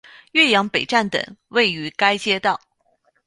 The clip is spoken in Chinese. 岳阳北站等位于该街道。